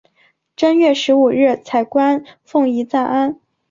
正月十五日彩棺奉移暂安。